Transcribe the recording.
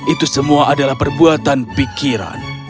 itu semua adalah perbuatan pikiran